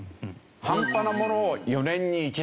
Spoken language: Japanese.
半端なものを４年に一度。